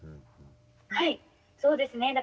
はいそうですね。